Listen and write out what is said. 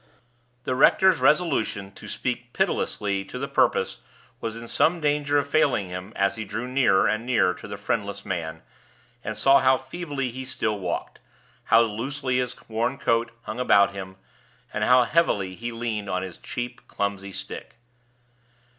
The rector's resolution to speak pitilessly to the purpose was in some danger of failing him as he drew nearer and nearer to the friendless man, and saw how feebly he still walked, how loosely his worn coat hung about him, and how heavily he leaned on his cheap, clumsy stick.